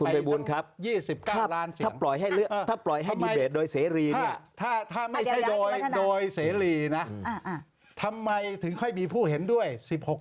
ภัยบูลครับ๒๙ล้านเสียงถ้าปล่อยให้มีเบสโดยเสรีเนี่ยถ้าไม่ใช่โดยเสรีนะทำไมถึงค่อยมีผู้เห็นด้วย๑๖คน